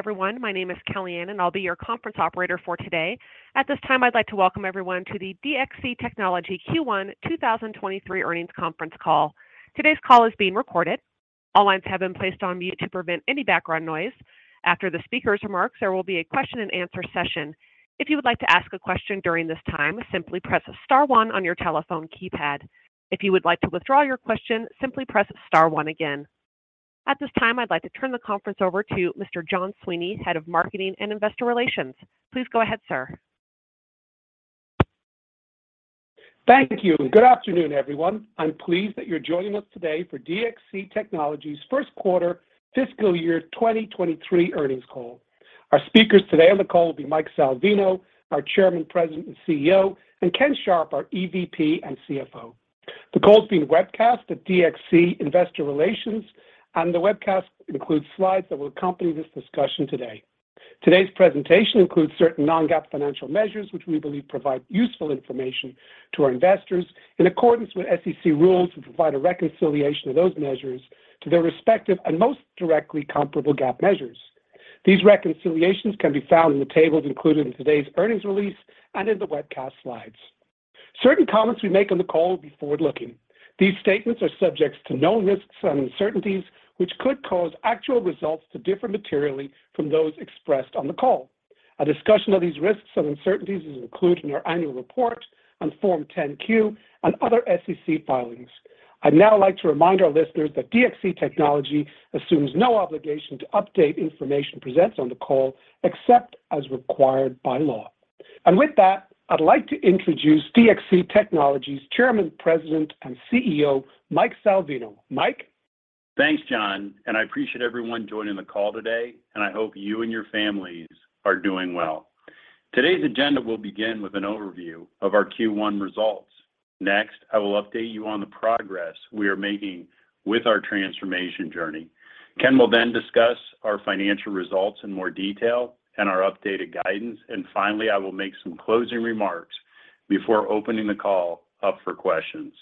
Everyone, my name is Kelly Ann, and I'll be your conference operator for today. At this time, I'd like to welcome everyone to the DXC Technology Q1 2023 earnings conference call. Today's call is being recorded. All lines have been placed on mute to prevent any background noise. After the speaker's remarks, there will be a question and answer session. If you would lik to ask a question during this time, simply press star one on your telephone keypad. If you would like to withdraw your question, simply press star one again. At this time, I'd like to turn the conference over to Mr. John Sweeney, Head of Marketing and Investor Relations. Please go ahead, sir. Thank you. Good afternoon, everyone. I'm pleased that you're joining us today for DXC Technology's first quarter fiscal year 2023 earnings call. Our speakers today on the call will be Mike Salvino, our Chairman, President, and CEO, and Ken Sharp, our EVP and CFO. The call is being webcast at DXC Investor Relations, and the webcast includes slides that will accompany this discussion today. Today's presentation includes certain non-GAAP financial measures, which we believe provide useful information to our investors in accordance with SEC rules and provide a reconciliation of those measures to their respective and most directly comparable GAAP measures. These reconciliations can be found in the tables included in today's earnings release and in the webcast slides. Certain comments we make on the call will be forward-looking. These statements are subject to known risks and uncertainties, which could cause actual results to differ materially from those expressed on the call. A discussion of these risks and uncertainties is included in our annual report on Form 10-Q another SEC filings. I'd now like to remind our listeners that DXC Technology assumes no obligation to update information presented on the call, except as required by law. With that, I'd like to introduce DXC Technology's Chairman, President, and CEO, Mike Salvino. Mike? Thanks, John, and I appreciate everyone joining the call today, and I hope you and your families are doing well. Today's agenda will begin with an overview of our Q1 results. Next, I will update you on the progress we are making with our transformation journey. Ken will then discuss our financial results in more detail and our updated guidance. Finally, I will make some closing remarks before opening the call up for questions.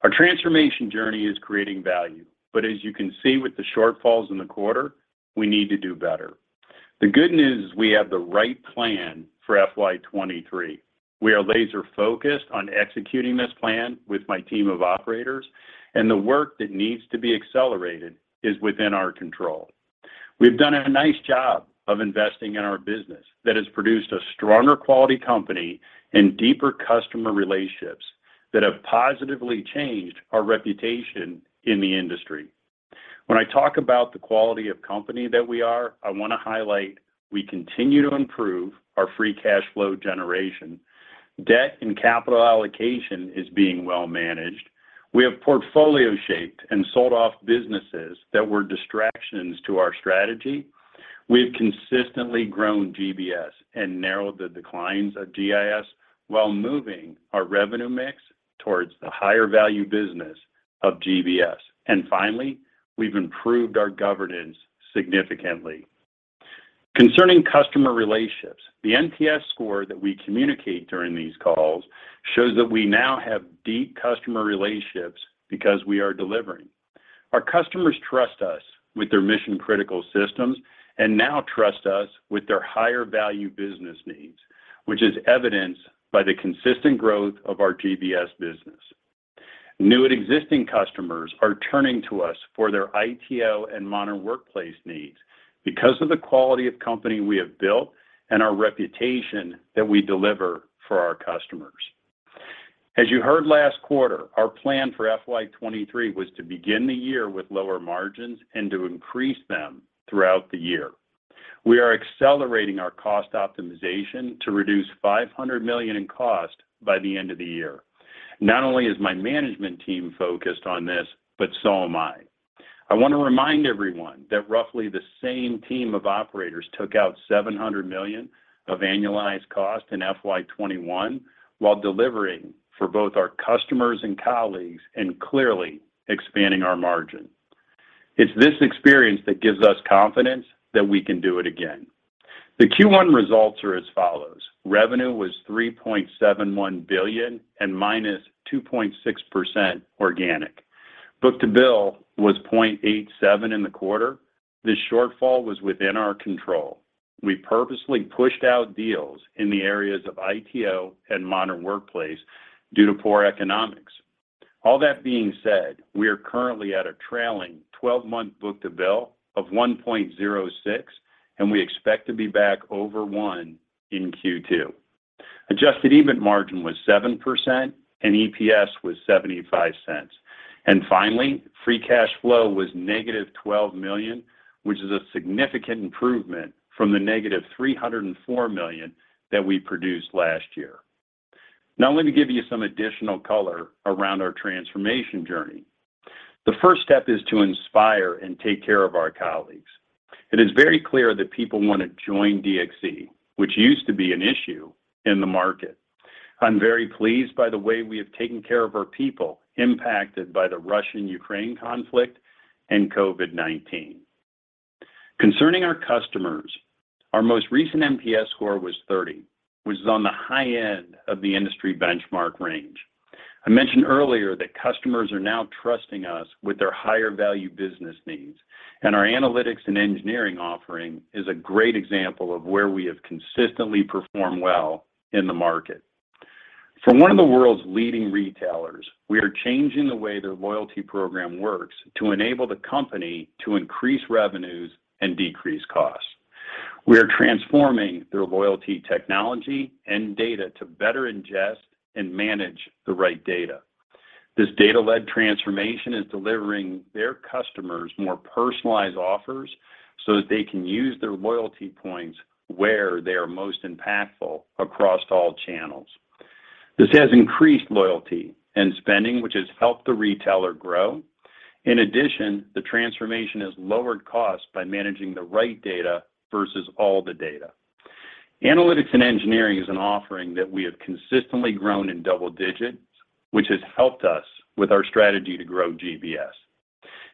Our transformation journey is creating value, but as you can see with the shortfalls in the quarter, we need to do better. The good news is we have the right plan for 2023. We are laser-focused on executing this plan with my team of operators, and the work that needs to be accelerated is within our control. We have done a nice job of investing in our business that has produced a stronger quality company and deeper customer relationships that have positively changed our reputation in the industry. When I talk about the quality of company that we are, I want to highlight that we continue to improve our free cash flow generation. Debt and capital allocation are being well managed. We have shaped our portfolio and sold off businesses that were distractions to our strategy. We have consistently grown GBS and narrowed the declines of GIS while moving our revenue mix towards the higher value business of GBS. Finally, we've improved our governance significantly. Concerning customer relationships, the NPS score that we communicate during these calls shows that we now have deep customer relationships because we are delivering. Our customers trust us with their mission-critical systems and now trust us with their higher Value business needs, which is evidenced by the consistent growth of our GBS business. New and existing customers are turning to us for their ITO and Moder Workplace needs because of the quality of company we have built and our reputation that we deliver for our customers. As you heard last quarter, our plan for fiscal year 2023 was to begin the year with lower margins and to increase them throughout the year. We are accelerating our cost optimization to reduce $500 million in costs by the end of the year. Not only is my management team focused on this, but so am I. I want to remind everyone that roughly the same team of operators took out $700 million of annualized cost in fiscal year 2021 while delivering for both our customers and colleagues and clearly expanding our margin. It's this experience that gives us confidence that we can do it again. The Q1 results are as follows. Revenue was $3.71 billion and -2.6% organic. Book-to-bill was 0.87 in the quarter. This shortfall was within our control. We purposely pushed out deals in the areas of ITO and Modern Workplace due to poor economics. All that being said, we are currently at a trailing twelve-month book-to-bill of 1.06, and we expect to be back over one in Q2. Adjusted EBIT margin was 7% and EPS was $0.75. Finally, free cash flow was negative $12 million, which is a significant improvement from the negative $304 million that we produced last year. Now let me give you some additional context around our transformation journey. The first step is to inspire and take care of our colleagues. It is very clear that people want to join DXC, which used to be an issue in the market. I'm very pleased by the way we have taken care of our people impacted by the Russian-Ukraine conflict and COVID-19. Concerning our customers. Our most recent NPS score was 30, which is on the high end of the industry benchmark range. I mentioned earlier that customers are now trusting us with their higher-value business needs, and our Analytics and Engineering offering is a great example of where we have consistently performed well in the market. For one of the world's leading retailers, we are changing the way their loyalty program works to enable the company to increase revenue and decrease costs. We are transforming their loyalty technology and data to better ingest and manage the right data. This data-led transformation is delivering their customers more personalized offers so that they can use their loyalty points where they are most impactful across all channels. This has increased loyalty and spending, which has helped the retailer grow. In addition, the transformation has lowered costs by managing the right data versus all the data. Analytics and Engineering is an offering that we have consistently grown in double digits, which has helped us with our strategy to grow GBS.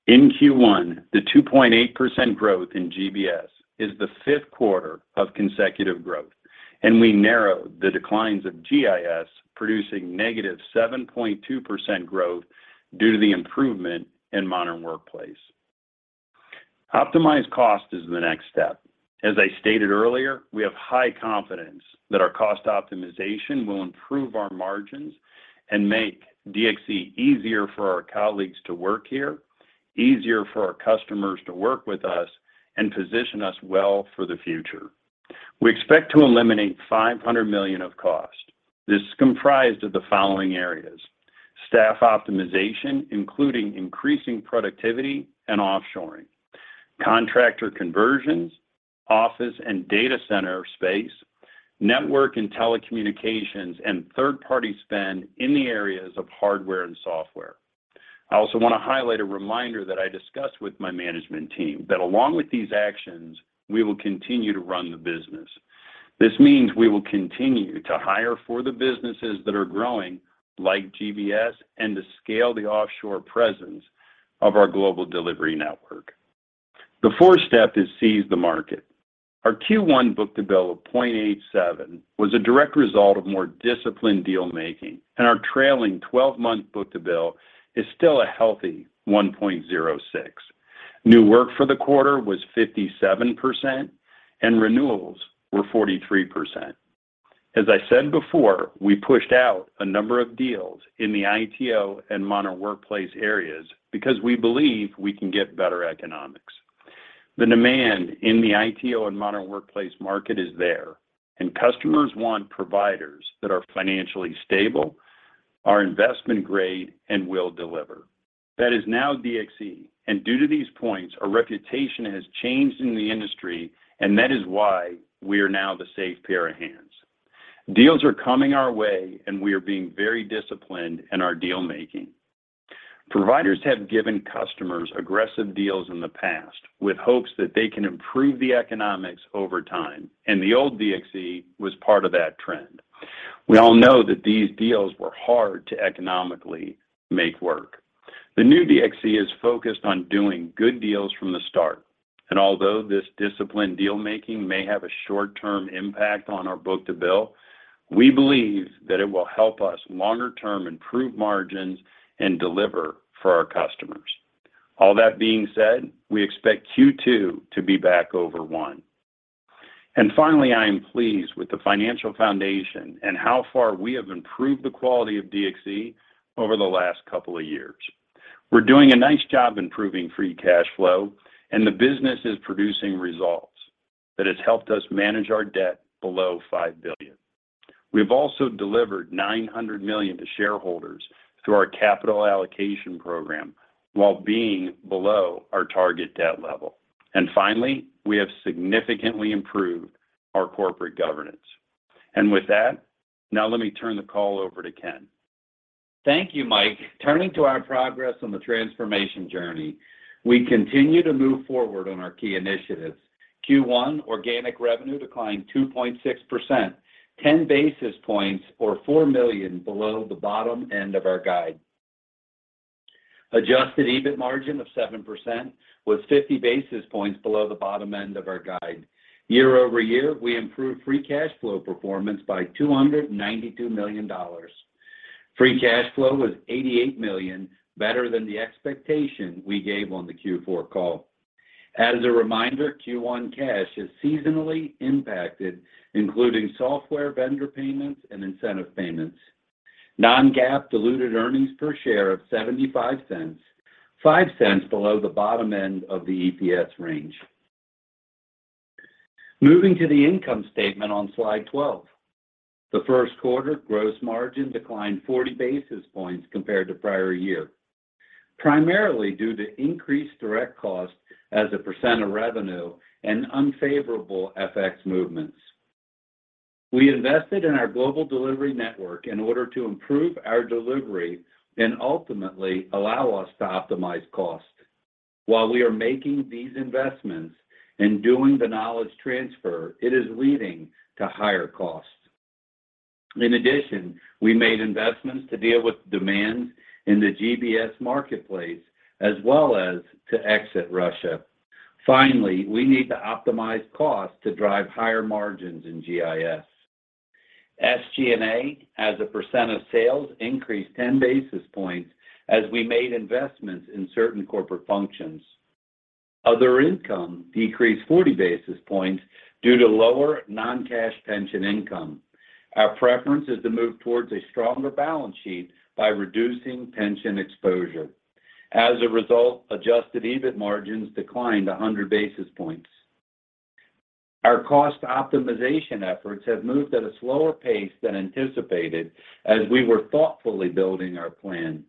In Q1, the 2.8% growth in GBS is the fifth quarter of consecutive growth, and we narrowed the declines of GIS, producing -7.2% growth due to the improvement in Modern Workplace. Cost optimization is the next step. As I stated earlier, we have high confidence that our cost optimization will improve our margins and make DXC easier for our colleagues to work here, easier for our customers to work with us and position us well for the future. We expect to eliminate $500 million of costs. This is comprised of the following areas, staff optimization, including increasing productivity and offshoring, contractor conversions, office and data center space, network and telecommunications, and third-party spend in the areas of hardware and software. I also want to highlight a reminder that I discussed with my management team that along with these actions, we will continue to run the business. This means we will continue to hire for the businesses that are growing, like GBS, and to scale the offshore presence of our Global Delivery Network. The fourth step is seize the market. Our Q1 book-to-bill of 0.87 was a direct result of more disciplined deal-making, and our trailing twelve-month book-to-bill is still a healthy 1.06. New work for the quarter was 57% and renewals were 43%. As I said before, we pushed out a number of deals in the ITO and Modern Workplace areas because we believe we can get better economics. The demand in the ITO and Modern Workplace market is there, and customers want providers that are financially stable, are investment-grade and will deliver. That is now DXC, and due to these points, our reputation has changed in the industry and that is why we are now the safe pair of hands. Deals are coming our way and we are being very disciplined in our deal-making. Providers have given customers aggressive deals in the past with hopes that they can improve the economics over time, and the old DXC was part of that trend. We all know that these deals were hard to economically make work. The new DXC is focused on doing good deals from the start, and although this disciplined deal-making may have a short-term impact on our book-to-bill, we believe that it will help us longer term, improve margins and deliver for our customers. All that being said, we expect Q2 to be above one. Finally, I am pleased with the financial foundation and how far we have improved the quality of DXC over the last couple of years. We're doing a nice job improving free cash flow, and the business is producing results that has helped us manage our debt below $5 billion. We've also delivered $900 million to shareholders through our capital allocation program while being below our target debt level. Finally, we have significantly improved our corporate governance. With that, now let me turn the call over to Ken. Thank you, Mike. Turning to our progress on the transformation journey, we continue to move forward on our key initiatives. Q1 organic revenue declined 2.6%, 10 basis points or $4 million below the bottom end of our guide. Adjusted EBIT margin of 7% was 50 basis points below the bottom end of our guide. Year-over-year, we improved free cash flow performance by $292 million. Free cash flow was $88 million better than the expectation we gave on the Q4 call. As a reminder, Q1 cash is seasonally impacted, including software vendor payments and incentive payments. Non-GAAP diluted earnings per share of $0.75, $0.05 below the bottom end of the EPS range. Moving to the income statement on slide 12. The first quarter gross margin declined 40 basis points compared to prior year, primarily due to increased direct costs as a % of revenue and unfavorable FX movements. We invested in our Global Delivery Network in order to improve our delivery and ultimately allow us to optimize cost. While we are making these investments and doing the knowledge transfer, it is leading to higher costs. In addition, we made investments to deal with demand in the GBS marketplace as well as to exit Russia. Finally, we need to optimize costs to drive higher margins in GIS. SG&A as a % of sales increased 10 basis points as we made investments in certain corporate functions. Other income decreased 40 basis points due to lower non-cash pension income. Our preference is to move towards a stronger balance sheet by reducing pension exposure. As a result, adjusted EBIT margins declined 100 basis points. Our cost optimization efforts have moved at a slower pace than anticipated as we were thoughtfully building our plan.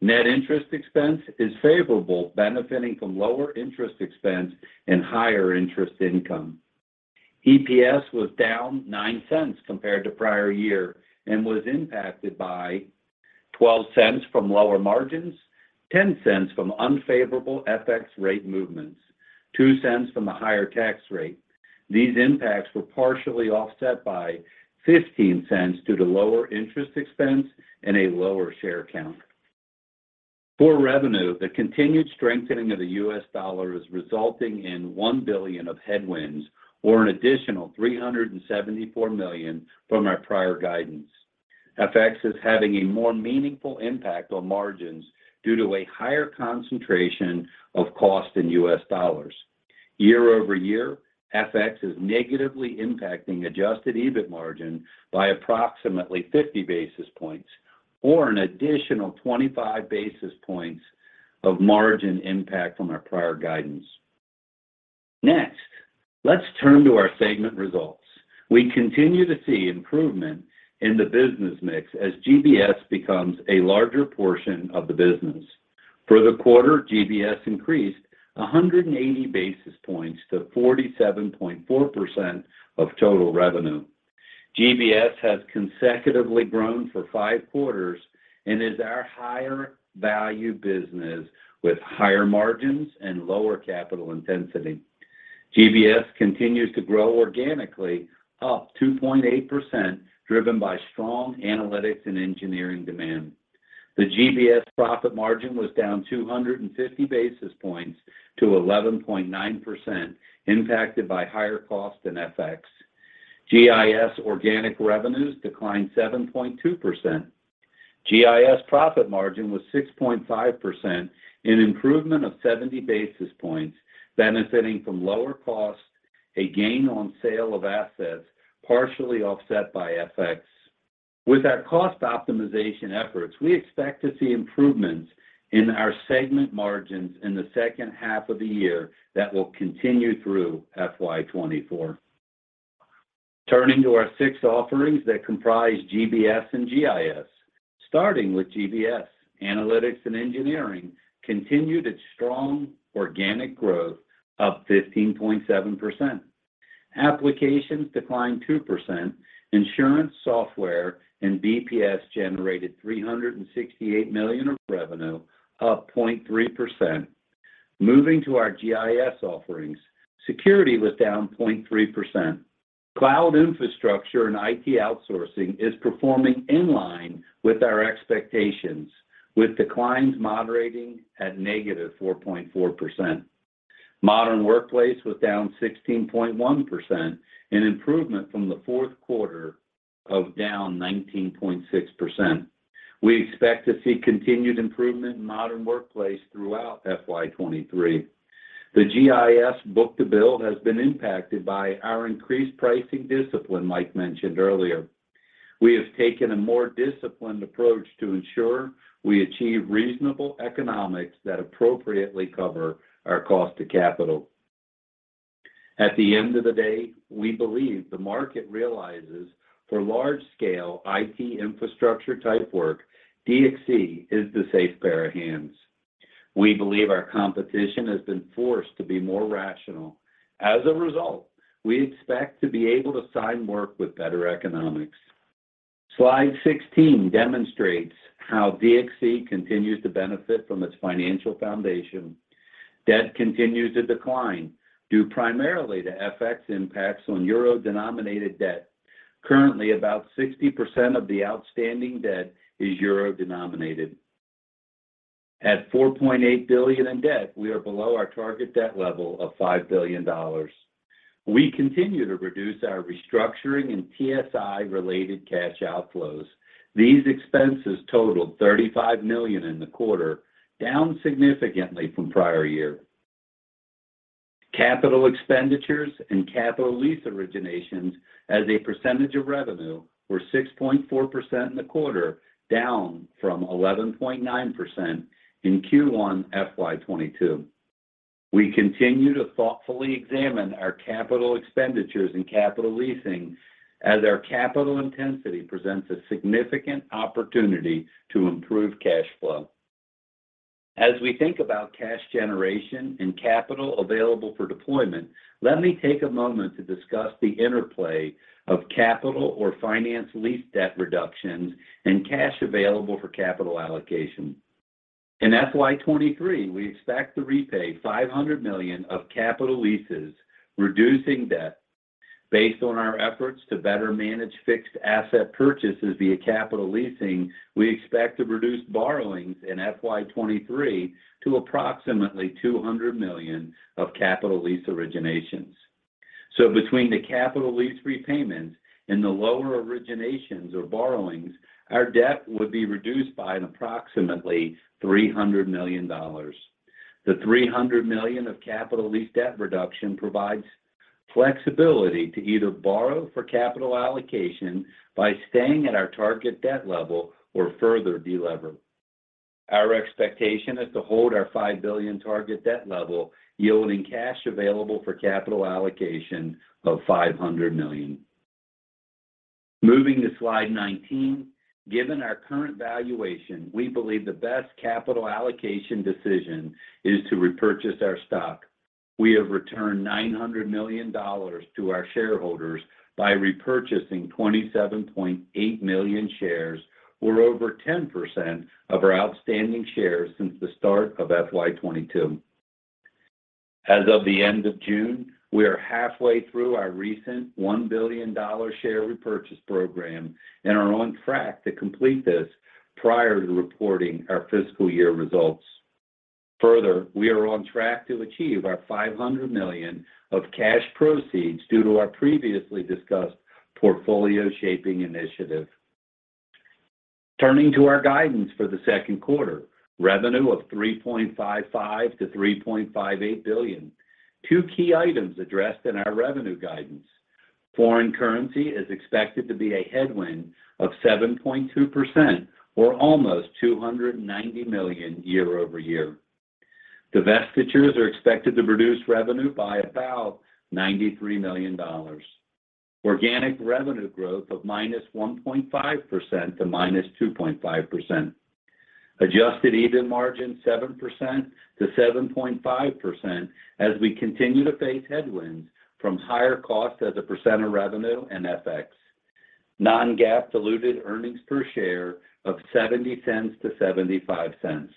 Net interest expense is favorable, benefiting from lower interest expense and higher interest income. EPS was down $0.09 compared to prior year and was impacted by $0.12 from lower margins, $0.10 from unfavorable FX rate movements, $0.02 from a higher tax rate. These impacts were partially offset by $0.15 due to lower interest expense and a lower share count. For revenue, the continued strengthening of the U.S. dollar is resulting in $1 billion of headwinds or an additional $374 million from our prior guidance. FX is having a more meaningful impact on margins due to a higher concentration of cost in U.S. dollars. Year-over-year, FX is negatively impacting Adjusted EBIT margin by approximately 50 basis points or an additional 25 basis points of margin impact from our prior guidance. Next, let's turn to our segment results. We continue to see improvement in the business mix as GBS becomes a larger portion of the business. For the quarter, GBS increased 180 basis points to 47.4% of total revenue. GBS has consecutively grown for five quarters and is our higher-value business with higher margins and lower capital intensity. GBS continues to grow organically, up 2.8%, driven by strong analytics and engineering demand. The GBS profit margin was down 250 basis points to 11.9%, impacted by higher cost in FX. GIS organic revenues declined 7.2%. GIS profit margin was 6.5%, an improvement of 70 basis points, benefiting from lower costs, a gain on sale of assets, partially offset by FX. With our cost optimization efforts, we expect to see improvements in our segment margins in the second half of the year that will continue through fiscal year 2024. Turning to our six offerings that comprise GBS and GIS, starting with GBS, Analytics and Engineering continued its strong organic growth up 15.7%. Applications declined 2%. Insurance Software and BPS generated $368 million in revenue, up 0.3%. Moving to our GIS offerings, Security was down 0.3%. Cloud Infrastructure and IT Outsourcing is performing in line with our expectations, with declines moderating at -4.4%. Modern Workplace was down 16.1%, an improvement from the fourth quarter down 19.6%. We expect to see continued improvement in Modern Workplace throughout fiscal year 2023. The GIS book-to-bill has been impacted by our increased pricing discipline, Mike mentioned earlier. We have taken a more disciplined approach to ensure we achieve reasonable economics that appropriately cover our cost of capital. At the end of the day, we believe the market realizes for large-scale IT infrastructure type work, DXC is the safe pair of hands. We believe our competition has been forced to be more rational. As a result, we expect to be able to sign work with better economics. Slide 16 demonstrates how DXC continues to benefit from its financial foundation. Debt continues to decline due primarily to FX impacts on euro-denominated debt. Currently, about 60% of the outstanding debt is euro-denominated. At $4.8 billion in debt, we are below our target debt level of $5 billion. We continue to reduce our restructuring and TSI-related cash outflows. These expenses totaled $35 million in the quarter, down significantly from prior year. Capital expenditures and capital lease originations as a percentage of revenue were 6.4% in the quarter, down from 11.9% in Q1 fiscal year 2022. We continue to thoughtfully examine our capital expenditures and capital leasing as our capital intensity presents a significant opportunity to improve cash flow. As we think about cash generation and capital available for deployment, let me take a moment to discuss the interplay of capital or finance lease debt reductions and cash available for capital allocation. In fiscal year 2023, we expect to repay $500 million of capital leases, reducing debt. Based on our efforts to better manage fixed asset purchases via capital leasing, we expect to reduce borrowings in fiscal year 2023 to approximately $200 million of capital lease originations. Between the capital lease repayments and the lower originations or borrowings, our debt would be reduced by approximately $300 million. The $300 million of capital lease debt reduction provides flexibility to either borrow for capital allocation by staying at our target debt level or further delever. Our expectation is to hold our $5 billion target debt level, yielding cash available for capital allocation of $500 million. Moving to slide 19. Given our current valuation, we believe the best capital allocation decision is to repurchase our stock. We have returned $900 million to our shareholders by repurchasing 27.8 million shares, or over 10% of our outstanding shares since the start of fiscal year 2022. As of the end of June, we are halfway through our recent $1 billion share repurchase program and are on track to complete this prior to reporting our fiscal year results. Further, we are on track to achieve our $500 million of cash proceeds due to our previously discussed portfolio shaping initiative. Turning to our guidance for the second quarter. Revenue of $3.55 billion-$3.58 billion. Two key items addressed in our revenue guidance. Foreign currency is expected to be a headwind of 7.2% or almost $290 million year over year. Divestitures are expected to reduce revenue by about $93 million. Organic revenue growth of -1.5% to -2.5%. Adjusted EBIT margin 7%-7.5% as we continue to face headwinds from higher cost as a percent of revenue and FX. Non-GAAP diluted earnings per share of $0.70-$0.75.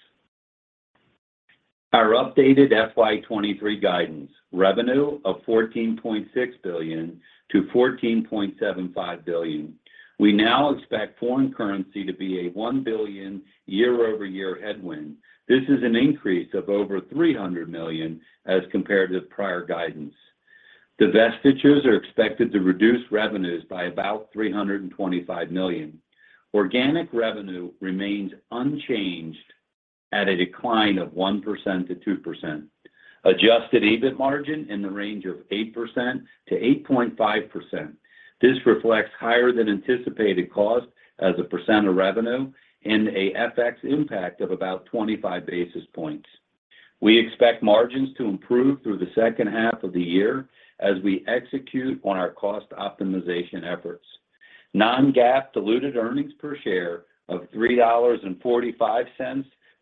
Our updated fiscal year 2023 guidance. Revenue of $14.6 billion-$14.75 billion. We now expect foreign currency to be a $1 billion year-over-year headwind. This is an increase of over $300 million as compared to prior guidance. Divestitures are expected to reduce revenues by about $325 million. Organic revenue remains unchanged at a decline of 1%-2%. Adjusted EBIT margin in the range of 8%-8.5%. This reflects higher than anticipated cost as a % of revenue and a FX impact of about 25 basis points. We expect margins to improve through the second half of the year as we execute on our cost optimization efforts. Non-GAAP diluted earnings per share of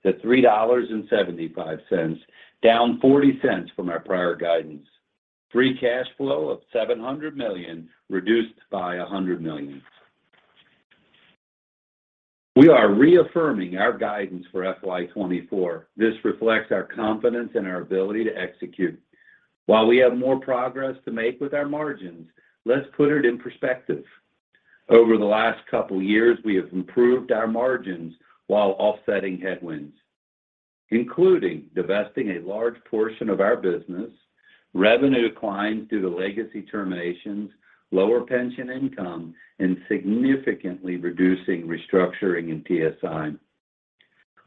$3.45-$3.75, down $0.40 from our prior guidance. Free cash flow of $700 million, reduced by $100 million. We are reaffirming our guidance for fiscal year 2024. This reflects our confidence in our ability to execute. While we have more progress to make with our margins, let's put it in perspective. Over the last couple years, we have improved our margins while offsetting headwinds, including divesting a large portion of our business, revenue declines due to legacy terminations, lower pension income, and significantly reducing restructuring in TSI.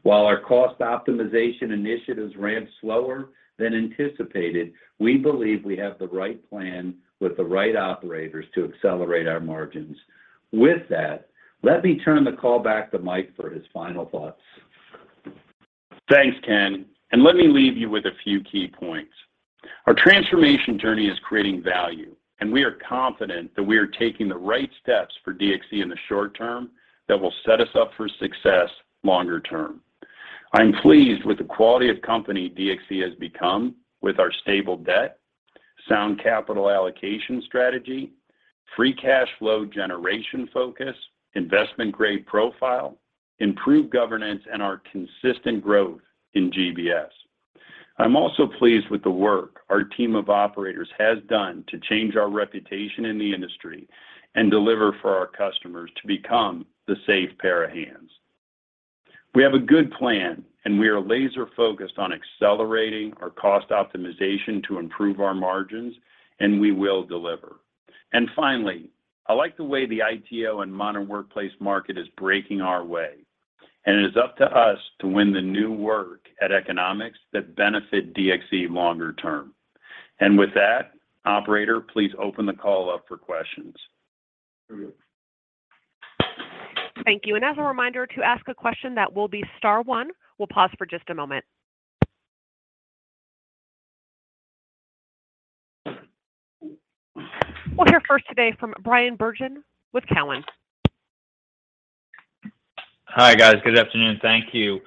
While our cost optimization initiatives ramped slower than anticipated, we believe we have the right plan with the right operators to accelerate our margins. With that, let me turn the call back to Mike for his final thoughts. Thanks, Ken, and let me leave you with a few key points. Our transformation journey is creating value, and we are confident that we are taking the right steps for DXC in the short term that will set us up for success longer term. I'm pleased with the quality of company DXC has become with our stable debt, sound capital allocation strategy, free cash flow generation focus, investment-grade profile, improved governance, and our consistent growth in GBS. I'm also pleased with the work our team of operators has done to change our reputation in the industry and deliver for our customers to become the safe pair of hands. We have a good plan, and we are laser-focused on accelerating our cost optimization to improve our margins, and we will deliver. Finally, I like the way the ITO and Modern Workplace market is developing, and it is up to us to win the new work at economics that benefit DXC in the longer term. With that, operator, please open the call up for questions. Thank you. As a reminder, to ask a question, that will be star one. We'll pause for just a moment. We'll hear first today from Bryan Bergin with TD Cowen. Hi, guys. Good afternoon. Thank you.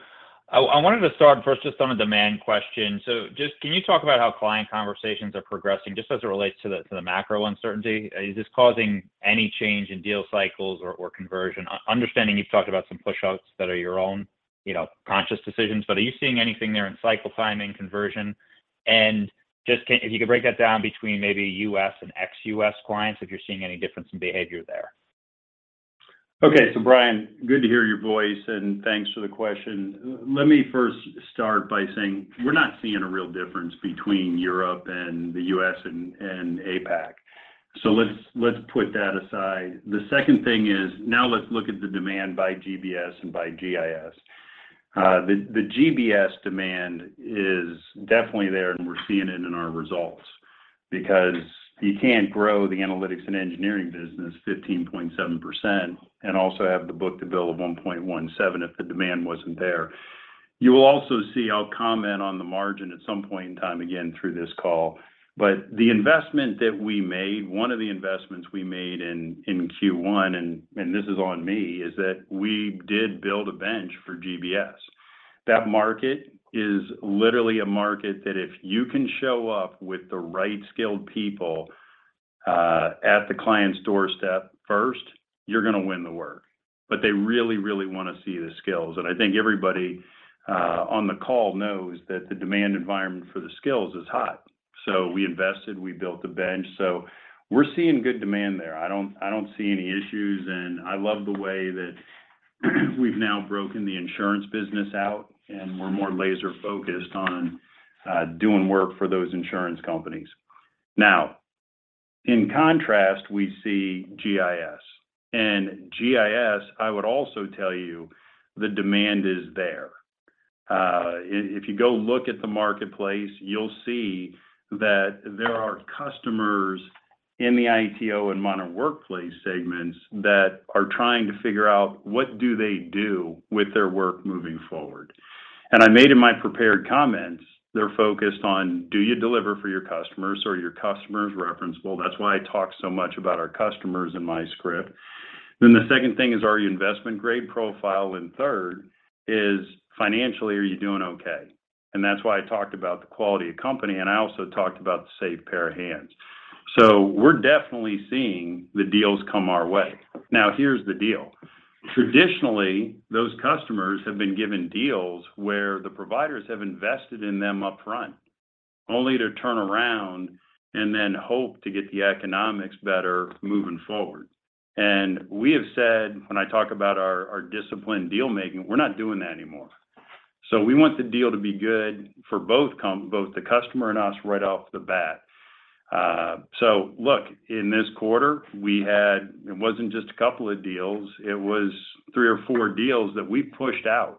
I wanted to start first just on a demand question. Just can you talk about how client conversations are progressing just as it relates to the macro uncertainty? Is this causing any change in deal cycles or conversion? Understanding you've talked about some pushouts that are your own. You know, conscious decisions, but are you seeing anything there in cycle timing, conversion? Just, if you could break that down between maybe U.S. and ex-U.S. clients, if you're seeing any difference in behavior there. Okay. Bryan, good to hear your voice, and thanks for the question. Let me first start by saying we're not seeing a real difference between Europe and the U.S. and APAC. Let's put that aside. The second thing is, now let's look at the demand by GBS and by GIS. The GBS demand is definitely there, and we're seeing it in our results because you can't grow the Analytics and Engineering business by 15.7% and also have the book-to-bill of 1.17 if the demand wasn't there. You will also see, I'll comment on the margin at some point in time again through this call, but the investment that we made, one of the investments we made in Q1, and this is on me, is that we did build a bench for GBS. That market is literally a market that if you can show up with the right skilled people, at the client's doorstep first, you're gonna win the work. They really, really wanna see the skills. I think everybody on the call knows that the demand environment for the skills is hot. We invested, we built a bench. We're seeing good demand there. I don't see any issues, and I love the way that we've now broken the insurance business out, and we're more laser-focused on doing work for those insurance companies. Now, in contrast, we see GIS. GIS, I would also tell you the demand is there. If you go look at the marketplace, you'll see that there are customers in the ITO and Modern Workplace segments that are trying to figure out what do they do with their work moving forward. I made in my prepared comments, they're focused on, do you deliver for your customers? Are your customers referenceable? That's why I talked so much about our customers in my script. The second thing is, are you investment-grade profile? Third is, financially, are you doing okay? That's why I talked about the quality of company, and I also talked about the safe pair of hands. We're definitely seeing the deals come our way. Now, here's the deal. Traditionally, those customers have been given deals where the providers have invested in them upfront, only to turn around and then hope to get the economics better moving forward. We have said, when I talk about our disciplined deal making, we're not doing that anymore. We want the deal to be good for both the customer and us right off the bat. Look, in this quarter, we had it wasn't just a couple of deals, it was three or four deals that we pushed out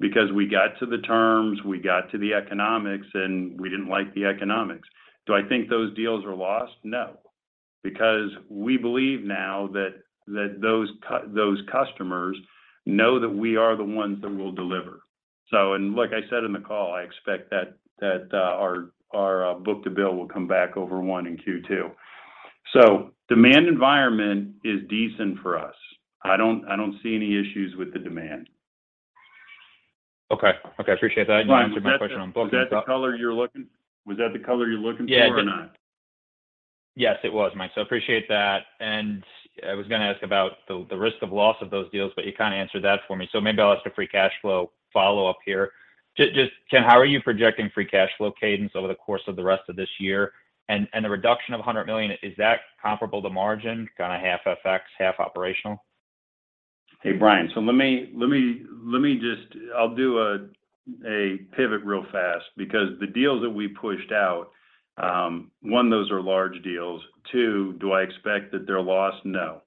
because we got to the terms, we got to the economics, and we didn't like the economics. Do I think those deals were lost? No. Because we believe now that those customers know that we are the ones that will deliver. Like I said in the call, I expect that our book-to-bill will come back over one in Q2. Demand environment is decent for us. I don't see any issues with the demand. Okay. I appreciate that. You answered my question on book- Was that the color you're looking for or not? Yes, it was, Mike. Appreciate that. I was gonna ask about the risk of loss of those deals, but you kinda answered that for me. Maybe I'll ask a free cash flow follow-up here. Just, Ken, how are you projecting free cash flow cadence over the course of the rest of this year? And the reduction of $100 million, is that comparable to margin, kinda half FX, half operational? Hey, Bryan. Let me just... I'll do a pivot real fast because the deals that we pushed out, one, those are large deals. Two, do I expect that they're lost? No.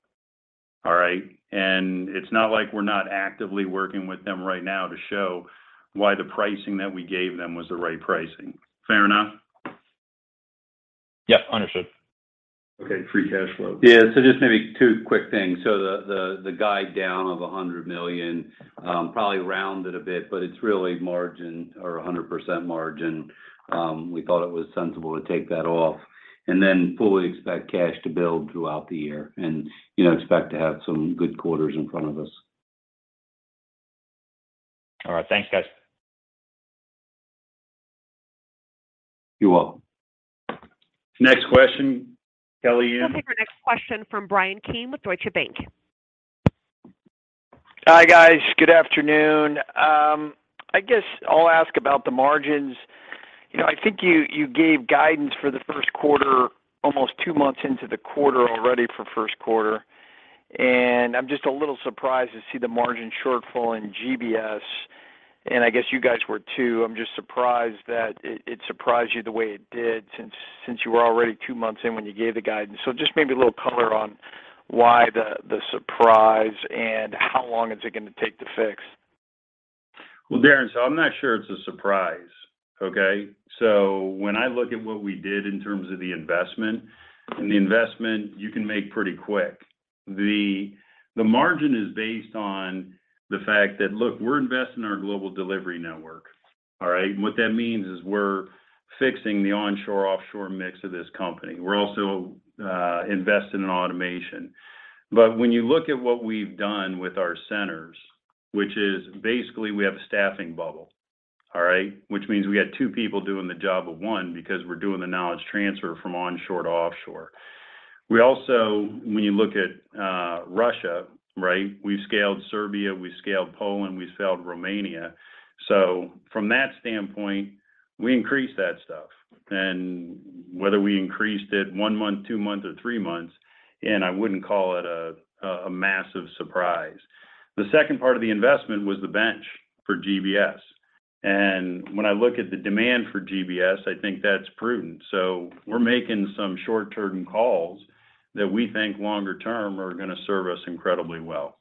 All right? It's not like we're not actively working with them right now to show why the pricing that we gave them was the right pricing. Fair enough? Yep. Understood. Okay. Free cash flow. Yeah. Just maybe two quick things. The guide down of $100 million, probably rounded a bit, but it's really margin, or a 100% margin. We thought it was sensible to take that off and then fully expect cash to build throughout the year and, you know, expect to have some good quarters in front of us. All right. Thanks, guys. You're welcome. Next question, Kelly Ann. We'll take our next question from Bryan Keane with Deutsche Bank. Hi, guys. Good afternoon. I'll ask about the margins. You know, I think you gave guidance for the first quarter, almost two months into the quarter already for first quarter, and I'm just a little surprised to see the margin shortfall in GBS, and I guess you guys were too. I'm just surprised that it surprised you the way it did since you were already two months in when you gave the guidance. Just maybe a little color on why the surprise and how long is it gonna take to fix? Well, Bryan, I'm not sure it's a surprise, okay? When I look at what we did in terms of the investment, and the investment you can make pretty quick. The margin is based on the fact that, look, we're investing in our Global Delivery Network, all right? What that means is we're fixing the onshore-offshore mix of this company. We're also investing in automation. When you look at what we've done with our centers, which is basically we have a staffing bubble. All right? Which means we got two people doing the job of one because we're doing the knowledge transfer from onshore to offshore. We also, when you look at Russia, right? We've scaled Serbia, we've scaled Poland, we've scaled Romania. From that standpoint, we increased that stuff. Whether we increased it one month, two months, or three months, and I wouldn't call it a massive surprise. The second part of the investment was the bench for GBS. When I look at the demand for GBS, I think that's prudent. We're making some short-term decisions that we think longer term are gonna serve us incredibly well.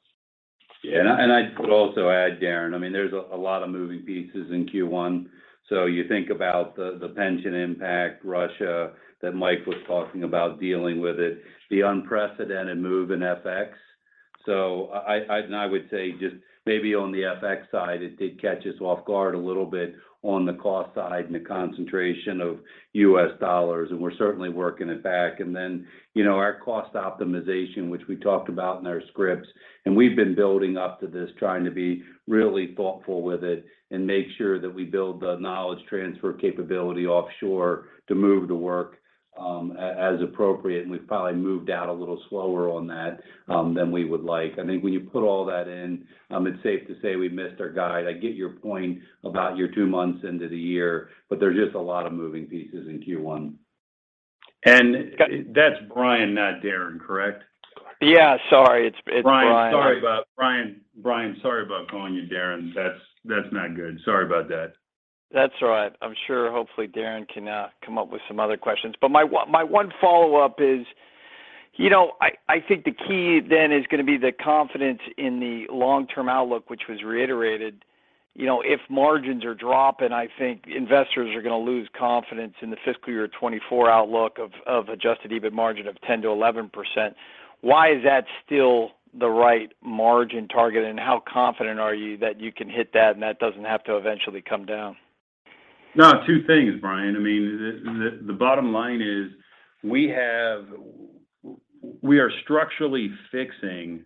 Yeah. I would also add, Bryan. I mean, there's a lot of moving pieces in Q1. So you think about the pension impact, Russia, that Mike was talking about dealing with it, the unprecedented move in FX. So I would say just maybe on the FX side, it did catch us off guard a little bit on the cost side and the concentration of U.S. dollars, and we're certainly working it back. Then, you know, our cost optimization, which we talked about in our scripts, and we've been building up to this, trying to be really thoughtful with it and make sure that we build the knowledge transfer capability offshore to move the work as appropriate, and we've probably moved out a little slower on that than we would like. I think when you put all that in, it's safe to say we missed our guide. I get your point about you being two months into the year, but there's just a lot of moving pieces in Q1. That's Bryan, not Bryan, correct? Yeah, sorry. It's Bryan. Bryan, sorry about calling you Bryan. That's not good. Sorry about that. That's all right. I'm sure hopefully Bryan can come up with some other questions. My one follow-up is, you know, I think the key then is gonna be the confidence in the long-term outlook, which was reiterated. You know, if margins are dropping, I think investors are gonna lose confidence in the fiscal year 2024 outlook of an Adjusted EBIT margin of 10%-11%. Why is that still the right margin target, and how confident are you that you can hit that and that doesn't have to eventually come down? No, two things, Bryan. I mean, the bottom line is we are structurally fixing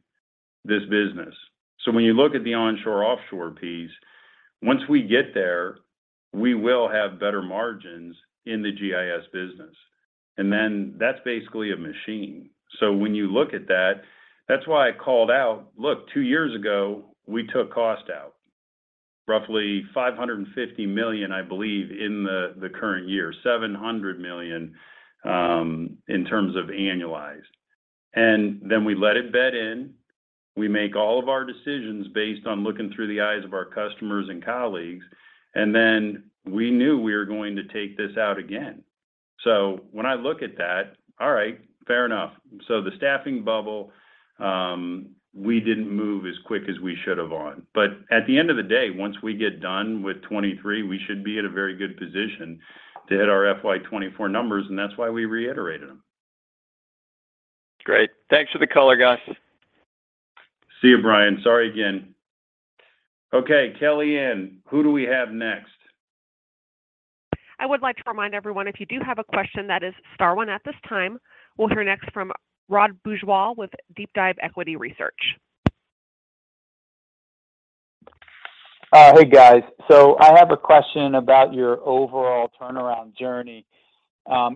this business. When you look at the onshore/offshore piece, once we get there, we will have better margins in the GIS business. That's basically a machine. When you look at that's why I called out, look, two years ago, we took cost out, roughly $550 million, I believe, in the current year, $700 million, in terms of annualized. We let it bed in. We make all of our decisions based on looking through the eyes of our customers and colleagues, and then we knew we were going to take this out again. When I look at that, all right, fair enough. The staffing bubble, we didn't move as quick as we should have on. At the end of the day, once we get done with fiscal year 2023, we should be at a very good position to hit our fiscal year 2024 numbers, and that's why we reiterated them. Great. Thanks for the color, guys. See you, Bryan. Sorry again. Okay, Kelly Ann, who do we have next? I would like to remind everyone, if you do have a question, that is star one at this time. We'll hear next from Rod Bourgeois with Deep Dive Equity Research. Hey, guys. I have a question about your overall turnaround journey.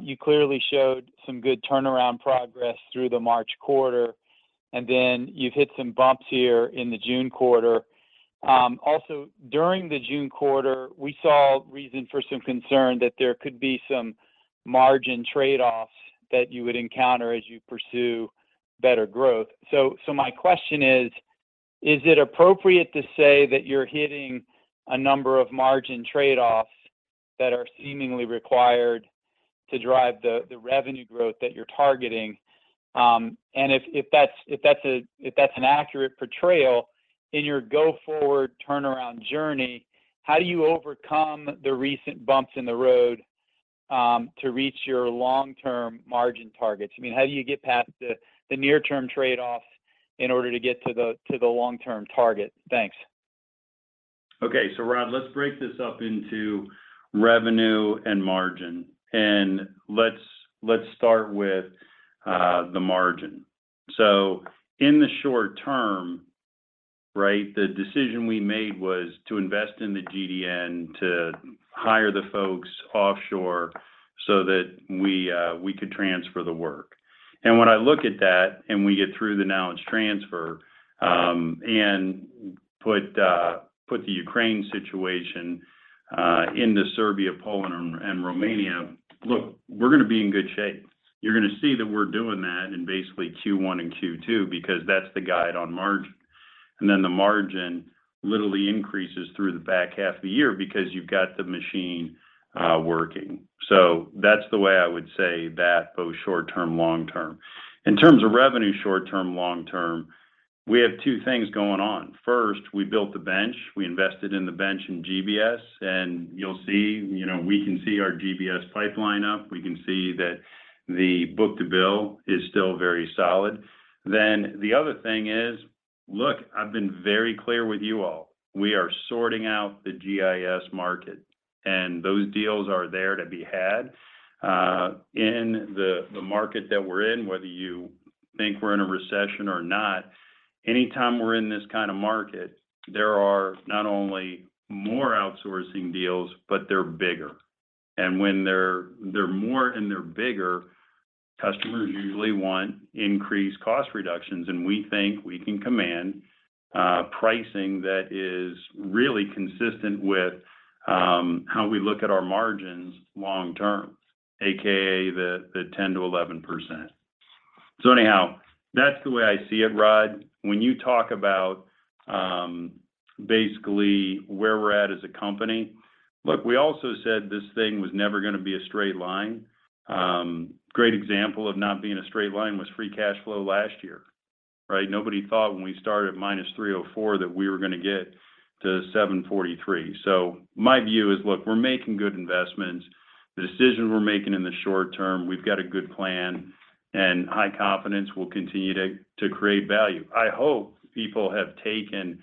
You clearly showed some good turnaround progress through the March quarter, and then you've hit some bumps here in the June quarter. Also, during the June quarter, we saw reason for some concern that there could be some margin trade-offs that you would encounter as you pursue better growth. My question is it appropriate to say that you're hitting a number of margin trade-offs that are seemingly required to drive the revenue growth that you're targeting? And if that's an accurate portrayal in your go-forward turnaround journey, how do you overcome the recent bumps in the road to reach your long-term margin targets? I mean, how do you get past the near-term trade-offs in order to get to the long-term target? Thanks. Okay. Rod, let's break this up into revenue and margin. Let's start with the margin. In the short term, right? The decision we made was to invest in the GDN to hire the folks offshore so that we could transfer the work. When I look at that, and we get through the knowledge transfer, and put the Ukraine situation into Serbia, Poland, and Romania, look, we're gonna be in good shape. You're gonna see that we're doing that in basically Q1 and Q2 because that's the guide on margin. Then the margin literally increases through the back half of the year because you've got the machine working. That's the way I would say that, both short term, long term. In terms of revenue short term, long term, we have two things going on. First, we built the bench. We invested in the bench in GBS, and you'll see, you know, we can see our GBS pipeline up. We can see that the book-to-bill is still very solid. The other thing is, look, I've been very clear with you all. We are sorting out the GIS market. Those deals are there to be had. In the market that we're in, whether you think we're in a recession or not, anytime we're in this kind of market, there are not only more outsourcing deals, but they're bigger. When they're more and they're bigger, customers usually want increased cost reductions, and we think we can command pricing that is really consistent with how we look at our margins long term, AKA the 10%-11%. Anyhow, that's the way I see it, Rod. When you talk about basically where we're at as a company. Look, we also said this thing was never gonna be a straight line. Great example of not being a straight line was free cash flow last year, right? Nobody thought when we started at -$304 that we were gonna get to $743. My view is, look, we're making good investments. The decisions we're making in the short term, we've got a good plan and high confidence we'll continue to create value. I hope people have taken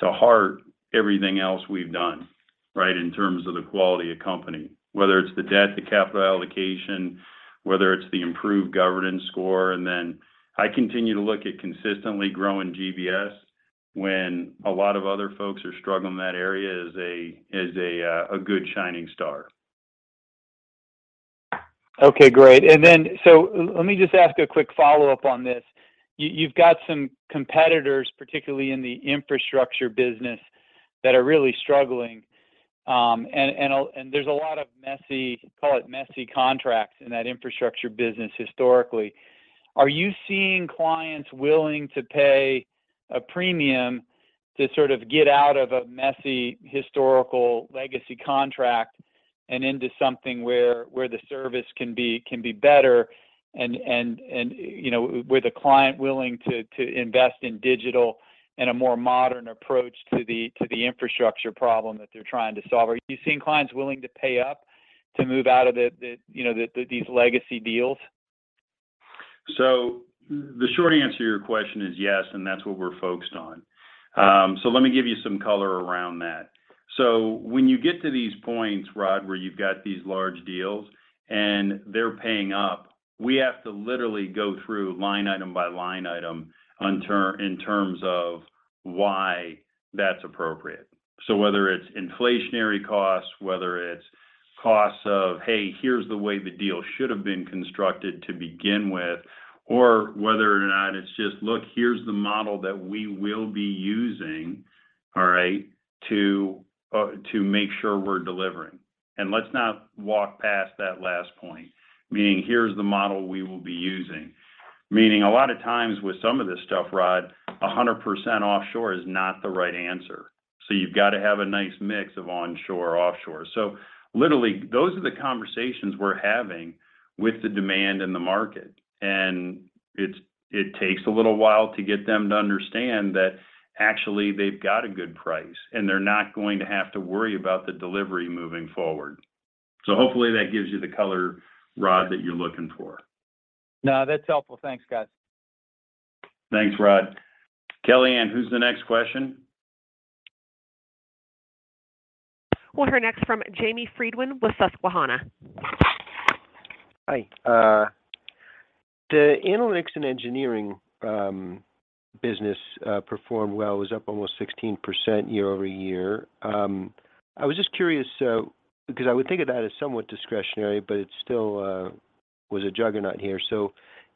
to heart everything else we've done, right, in terms of the quality of company. Whether it's the debt, the capital allocation, whether it's the improved governance score, and then I continue to look at consistently growing GBS when a lot of other folks are struggling in that area as a good shining star. Okay, great. Let me just ask a quick follow-up on this. You've got some competitors, particularly in the infrastructure business, that are really struggling, and there's a lot of messy, call it messy contracts in that infrastructure business historically. Are you seeing clients willing to pay a premium to sort of get out of a messy historical legacy contract and into something where the service can be better and, you know, with a client willing to invest in digital and a more modern approach to the infrastructure problem that they're trying to solve? Are you seeing clients willing to pay up to move out of the, you know, these legacy deals? The short answer to your question is yes, and that's what we're focused on. Let me give you some color around that. When you get to these points, Rod, where you've got these large deals and they're paying up, we have to literally go through line item by line item in terms of why that's appropriate. Whether it's inflationary costs, whether it's costs of, "Hey, here's the way the deal should have been constructed to begin with," or whether or not it's just, "Look, here's the model that we will be using, all right, to make sure we're delivering." Let's not walk past that last point, meaning here's the model we will be using. Meaning a lot of times with some of this stuff, Rod, 100% offshore is not the right answer. You've got to have a nice mix of onshore, offshore. Literally, those are the conversations we're having with the demand in the market, and it takes a little while to get them to understand that actually they've got a good price, and they're not going to have to worry about the delivery moving forward. Hopefully that gives you the color, Rod, that you're looking for. No, that's helpful. Thanks, guys. Thanks, Rod. Kelly Ann, who's the next question? We'll hear next from Jamie Friedman with Susquehanna. Hi. The Analytics and Engineering business performed well. It was up almost 16% year over year. I was just curious, because I would think of that as somewhat discretionary, but it still was a juggernaut here.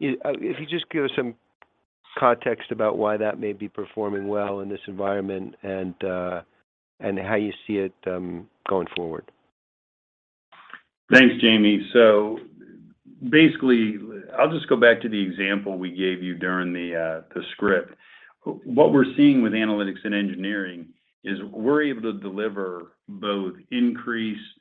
If you just give us some context about why that may be performing well in this environment and how you see it going forward. Thanks, Jamie. Basically, I'll just go back to the example we gave you during the script. What we're seeing with Analytics and Engineering is we're able to deliver both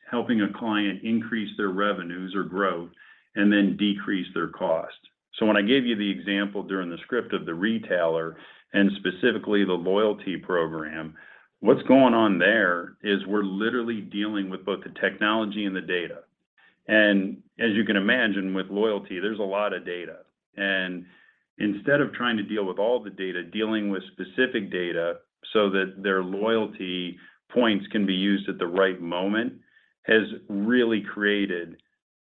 helping a client increase their revenues or growth and then decrease their cost. When I gave you the example during the script of the retailer and specifically the loyalty program, what's going on there is we're literally dealing with both the technology and the data. As you can imagine with loyalty, there's a lot of data. Instead of trying to deal with all the data, dealing with specific data so that their loyalty points can be used at the right moment has really created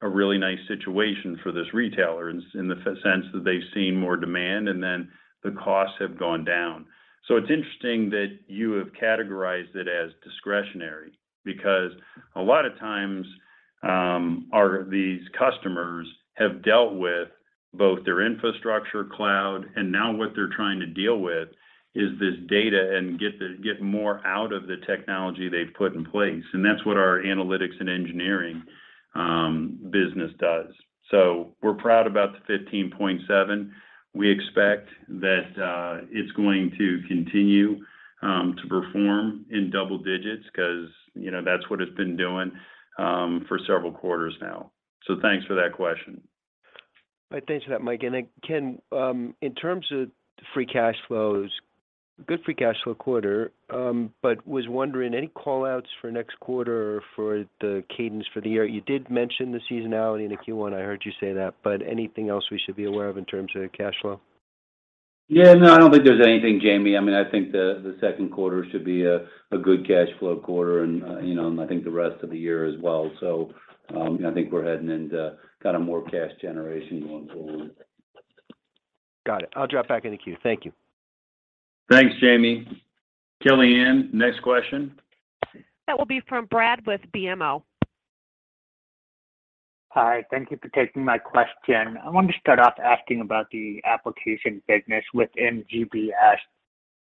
a really nice situation for this retailer in the sense that they've seen more demand and then the costs have gone down. It's interesting that you have categorized it as discretionary because a lot of times, these customers have dealt with both their infrastructure cloud and now what they're trying to deal with is this data and get more out of the technology they've put in place, and that's what our Analytics and Engineering business does. We're proud about the 15.7%. We expect that it's going to continue to perform in double digits because, you know, that's what it's been doing for several quarters now. Thanks for that question. Thanks for that, Mike. Then Ken, in terms of free cash flows, good free cash flow quarter, but was wondering any call-outs for next quarter for the cadence for the year? You did mention the seasonality in the Q1, I heard you say that, but anything else we should be aware of in terms of cash flow? Yeah, no, I don't think there's anything, Jamie. I mean, I think the second quarter should be a good cash flow quarter and, you know, and I think the rest of the year as well. You know, I think we're heading into kinda more cash generation going forward. Got it. I'll drop back in the queue. Thank you. Thanks, Jamie. Kelly Ann, next question. That will be from Keith Bachman with BMO. Hi. Thank you for taking my question. I wanted to start off asking about the Applications business within GBS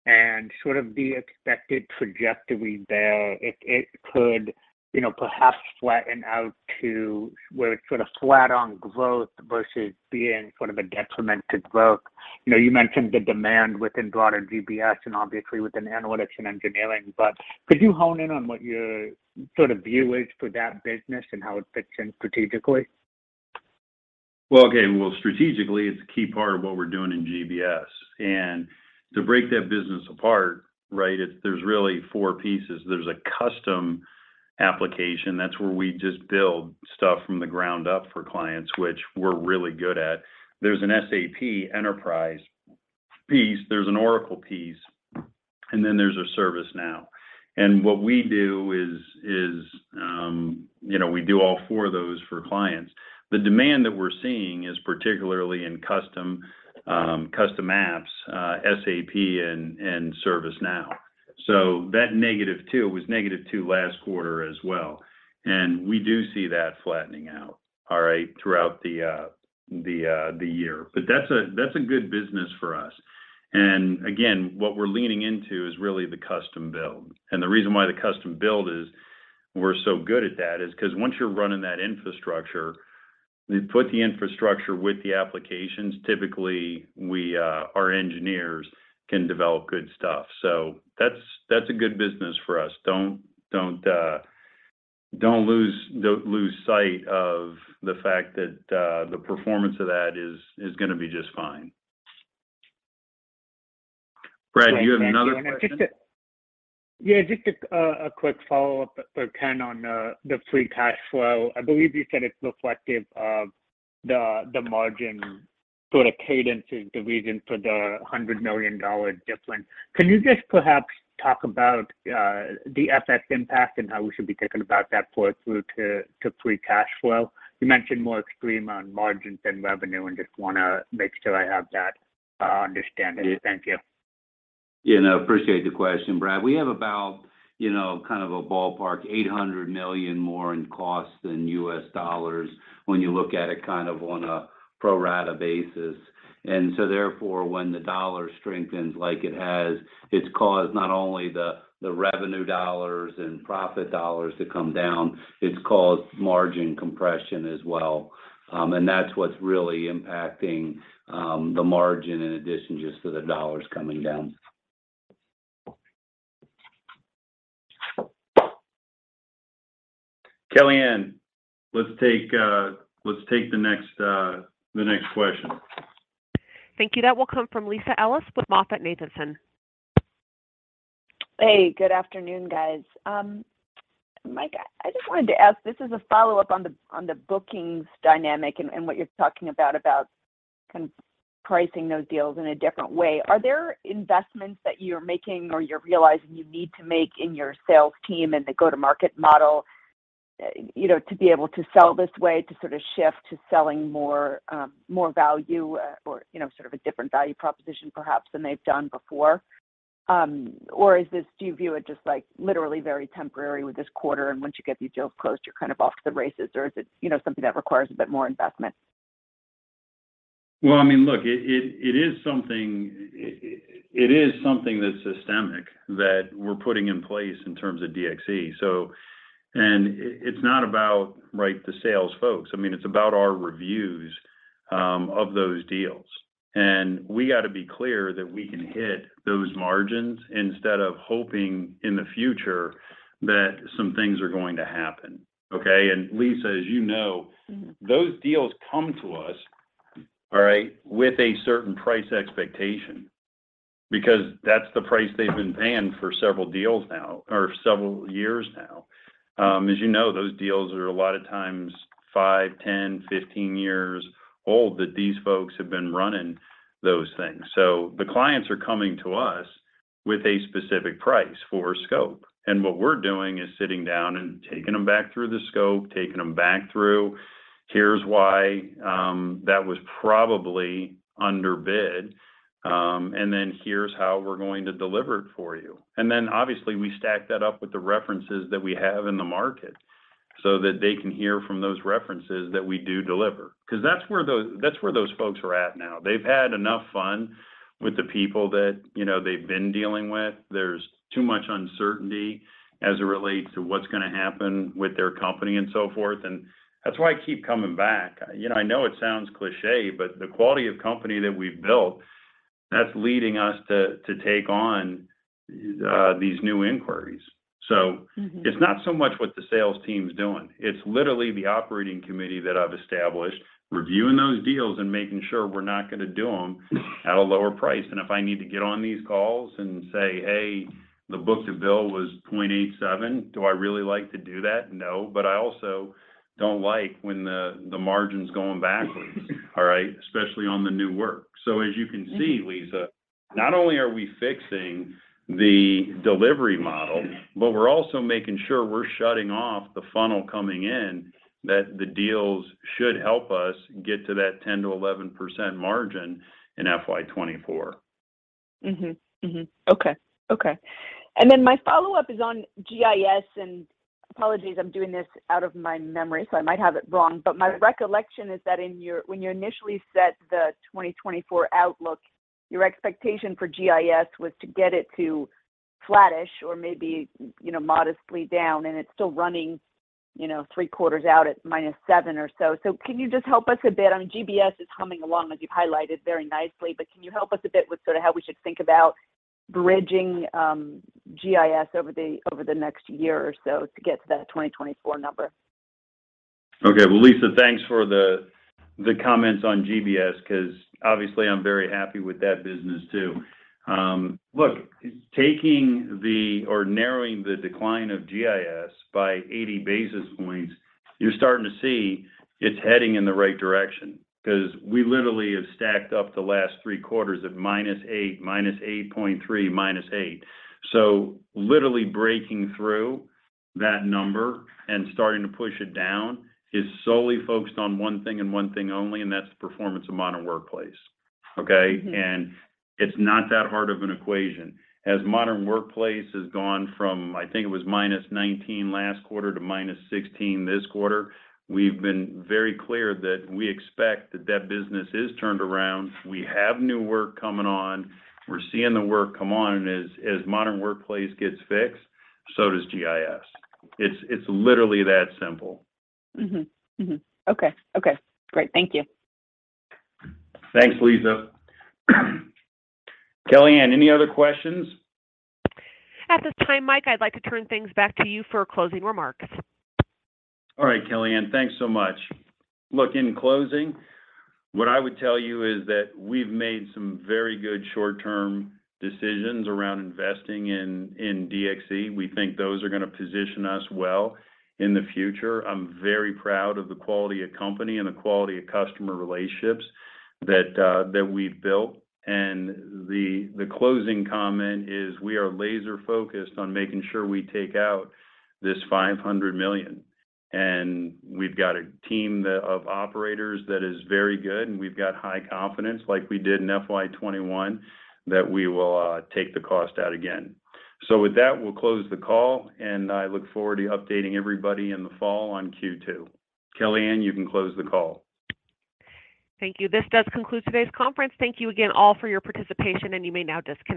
and sort of the expected trajectory there. It could, you know, perhaps flatten out to where it's sort of flat on growth versus being sort of a detriment to growth. You know, you mentioned the demand within broader GBS and obviously within Analytics and Engineering, but could you hone in on what your sort of view is for that business and how it fits in strategically? Well, strategically, it's a key part of what we're doing in GBS. To break that business apart, right, it. There's really four pieces. There's a custom application, that's where we just build stuff from the ground up for clients, which we're really good at. There's an SAP enterprise piece, there's an Oracle piece, and then there's a ServiceNow. What we do is we do all four of those for clients. The demand that we're seeing is particularly in custom apps, SAP and ServiceNow. That -2%, it was -2% last quarter as well. We do see that flattening out throughout the year. That's a good business for us. Again, what we're leaning into is really the custom build. The reason why the custom build is we're so good at that is 'cause once you're running that infrastructure, you put the infrastructure with the applications, typically we, our engineers can develop good stuff. That's a good business for us. Don't lose sight of the fact that the performance of that is gonna be just fine. Keith Bachman, do you have another question? Yeah, just a quick follow-up for Ken on the free cash flow. I believe you said it's reflective of the margin sort of cadence is the reason for the $100 million difference. Can you just perhaps talk about the FX impact and how we should be thinking about that flow through to free cash flow? You mentioned more extreme on margins than revenue, and just wanna make sure I have that understanding. Thank you. Yeah, no, appreciate the question, Keith Bachman. We have about, you know, kind of a ballpark $800 million more in cost than U.S. dollars when you look at it kind of on a pro rata basis. Therefore, when the dollar strengthens like it has, it's caused not only the revenue dollars and profit dollars to come down, it's caused margin compression as well. That's what's really impacting the margin in addition just to the dollars coming down. Kelly Ann, let's take the next question. Thank you. That will come from Lisa Ellis with MoffettNathanson. Hey, good afternoon, guys. Mike, I just wanted to ask, this is a follow-up on the bookings dynamic and what you're talking about kind of pricing those deals in a different way. Are there investments that you're making or you're realizing you need to make in your sales team and the go-to-market model, you know, to be able to sell this way, to sort of shift to selling more value, or, you know, sort of a different value proposition perhaps than they've done before? Or is this, do you view it just, like, literally very temporary with this quarter, and once you get these deals closed, you're kind of off to the races? Or is it, you know, something that requires a bit more investment? Well, I mean, look, it is something that's systemic that we're putting in place in terms of DXC. It's not about, right, the sales folks. I mean, it's about our reviews of those deals. We gotta be clear that we can hit those margins instead of hoping in the future that some things are going to happen, okay? Lisa, as you know- Mm-hmm... those deals come to us, all right, with a certain price expectation because that's the price they've been paying for several deals now or several years now. As you know, those deals are a lot of times 5, 10, 15 years old that these folks have been running those things. The clients are coming to us with a specific price for scope. What we're doing is sitting down and taking them back through the scope, taking them back through, "Here's why, that was probably underbid, and then here's how we're going to deliver it for you." Obviously, we stack that up with the references that we have in the market so that they can hear from those references that we do deliver. 'Cause that's where those folks are at now. They've had enough fun with the people that, you know, they've been dealing with. There's too much uncertainty as it relates to what's gonna happen with their company and so forth, and that's why I keep coming back. You know, I know it sounds cliché, but the quality of company that we've built, that's leading us to take on these new inquiries. Mm-hmm It's not so much what the sales team's doing. It's literally the operating committee that I've established reviewing those deals and making sure we're not gonna do them at a lower price. If I need to get on these calls and say, "Hey, the book-to-bill was 0.87," do I really like to do that? No. I also don't like when the margin's going backwards, all right? Especially on the new work. As you can see, Lisa, not only are we fixing the delivery model, but we're also making sure we're shutting off the funnel coming in that the deals should help us get to that 10%-11% margin in fiscal year 2024. Mm-hmm. Okay. My follow-up is on GIS, and apologies, I'm doing this out of my memory, so I might have it wrong. Sure. My recollection is that when you initially set the fiscal year 2024 outlook, your expectation for GIS was to get it to flattish or maybe, you know, modestly down, and it's still running, you know, three quarters out at -7% or so. Can you just help us a bit? I mean, GBS is humming along, as you've highlighted very nicely, but can you help us a bit with sort of how we should think about bridging GIS over the next year or so to get to that fiscal year 2024 target? Okay. Well, Lisa, thanks for the comments on GBS, 'cause obviously I'm very happy with that business too. Look, narrowing the decline of GIS by 80 basis points, you're starting to see it's heading in the right direction. 'Cause we literally have stacked up the last three quarters of -8%, -8.3%, and -8%. Literally breaking through that number and starting to push it down is solely focused on one thing and one thing only, and that's the performance of Modern Workplace. Mm-hmm. It's not that hard of an equation. As Modern Workplace has gone from, I think it was -19% last quarter to -16% this quarter, we've been very clear that we expect that business is turned around. We have new work coming on. We're seeing the work come on. As Modern Workplace gets fixed, so does GIS. It's literally that simple. Okay. Okay, great. Thank you. Thanks, Lisa. Kelly Ann, any other questions? At this time, Mike, I'd like to turn things back to you for closing remarks. All right, Kelly Ann, thanks so much. Look, in closing, what I would tell you is that we've made some very good short-term decisions around investing in DXC. We think those are gonna position us well in the future. I'm very proud of the quality of company and the quality of customer relationships that we've built. The closing comment is we are laser-focused on making sure we take out this $500 million. We've got a team of operators that is very good, and we've got high confidence, like we did in fiscal year 2021, that we will take the cost out again. With that, we'll close the call, and I look forward to updating everybody in the fall on Q2. Kelly Ann, you can close the call. Thank you. This does conclude today's conference. Thank you again all for your participation, and you may now disconnect.